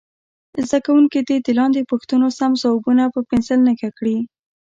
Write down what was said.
زده کوونکي دې د لاندې پوښتنو سم ځوابونه په پنسل نښه کړي.